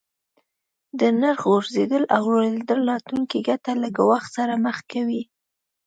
د نرخ غورځیدل او لوړیدل راتلونکې ګټه له ګواښ سره مخ کوي.